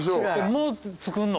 もう作んの？